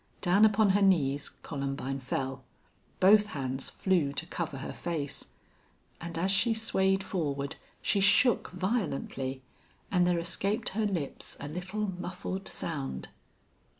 Down upon her knees Columbine fell. Both hands flew to cover her face. And as she swayed forward she shook violently, and there escaped her lips a little, muffled sound.